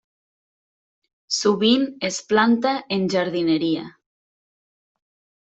Sovint es planta en jardineria.